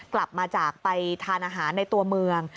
กลับมาจากไปทานอาหารในตัวเมือง